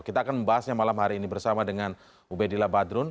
kita akan membahasnya malam hari ini bersama dengan ubedillah badrun